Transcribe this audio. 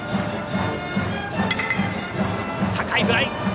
高いフライ。